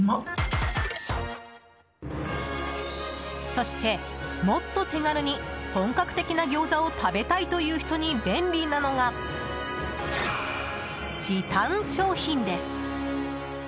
そして、もっと手軽に本格的なギョーザを食べたいという人に便利なのが時短商品です。